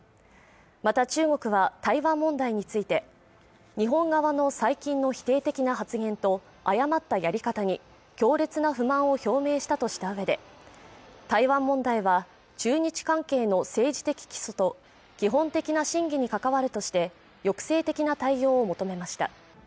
また中国は台湾問題について日本側の最近の否定的な発言と誤ったやり方に強烈な不満を表明したとしたうえで台湾問題は中日関係の政治的基礎と基本的な信義に関わるとして抑制的な対応を求めました